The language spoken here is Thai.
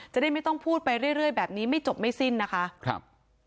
จะได้ไม่ต้องพูดไปเรื่อยแบบนี้ไม่จบไม่สิ้นนะคะครับ